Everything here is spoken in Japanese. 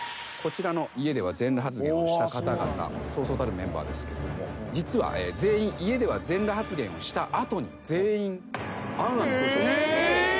こちらの家では全裸発言をした方々そうそうたるメンバーですけども実は家では全裸発言をした後に全員。